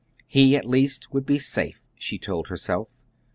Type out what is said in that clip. He, at least, would be safe, she told herself.